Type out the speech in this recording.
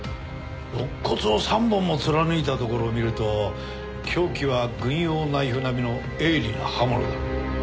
肋骨を３本も貫いたところを見ると凶器は軍用ナイフ並みの鋭利な刃物だろう。